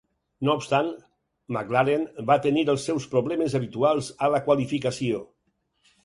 No obstant, McLaren va tenir els seus problemes habituals a la qualificació.